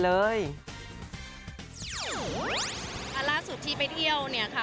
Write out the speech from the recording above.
ล่าสุดที่ไปเที่ยวเนี่ยค่ะ